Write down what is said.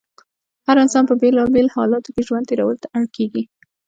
هر انسان په بېلا بېلو حالاتو کې ژوند تېرولو ته اړ کېږي.